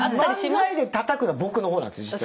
漫才でたたくのは僕の方なんですよ実は。